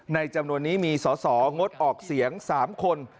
จำนวนนี้มีสมองดออกเสียง๓คน